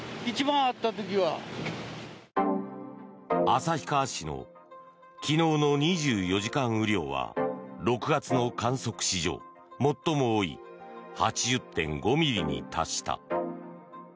旭川市の昨日の２４時間雨量は６月の観測史上最も多い８０．５ミリに達した。